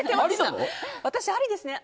私、ありですね。